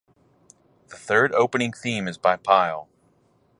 The third opening theme is by Pile.